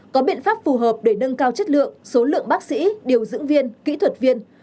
có biện pháp phù hợp để nâng cao chất lượng số lượng bác sĩ điều dưỡng viên kỹ thuật viên